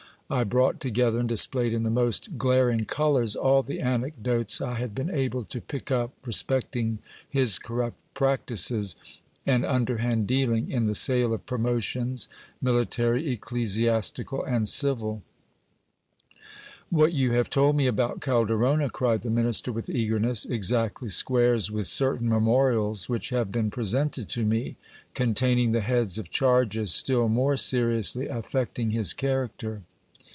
I brought together, and displayed in the most glaring colours, all the anecdotes I had been able to pick up respecting his corrupt practices and underhand dealing in the sale of promotions, military, ecclesiastical, and civil. What you have told me about Calderona, cried the minister with eagerness, exactly squares with certain memorials which have been presented to me, con taining the heads of charges still more seriously affecting his character.